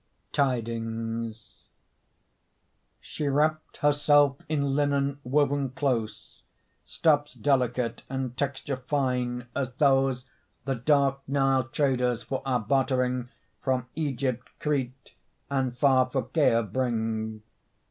TIDINGS She wrapped herself in linen woven close, Stuffs delicate and texture fine as those The dark Nile traders for our bartering From Egypt, Crete and far Phocea bring.